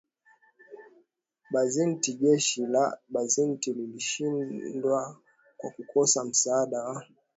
Bizanti Jeshi la Bizanti lilishindwa kwa kukosa msaada wa